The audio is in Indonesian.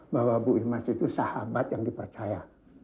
bahwa bu imas itu sahabat yang dipercaya